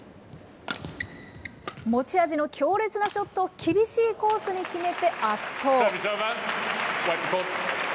持ち味の強烈なショットを厳しいコースに決めて、圧倒。